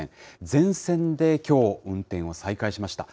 全線できょう、運転を再開しました。